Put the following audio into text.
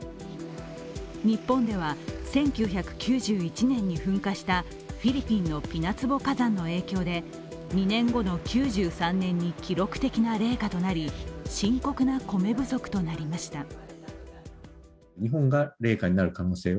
日本では１９９１年に噴火したフィリピンのピナツボ火山の影響で２年後の９３年に記録的な冷夏となり深刻な米不足となりました。